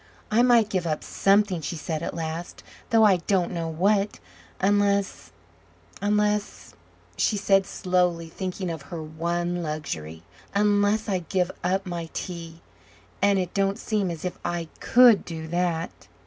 "I might give up something," she said at last, "though I don't know what, unless unless," she said slowly, thinking of her one luxury, "unless I give up my tea, and it don't seem as if I COULD do that."